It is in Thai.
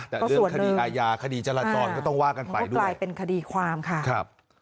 แต่เรื่องคดีอาญาคดีจราจรก็ต้องว่ากันไปด้วยกลายเป็นคดีความค่ะครับ